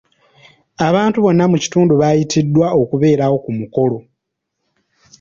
Abantu bonna mu kitundu baayitiddwa okubeerawo ku mukolo.